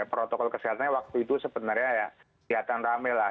protokol kesehatannya waktu itu sebenarnya ya kelihatan rame lah